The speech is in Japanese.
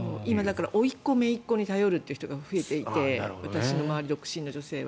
おいっ子、めいっ子に頼る方が増えていて私の周りの独身の方は。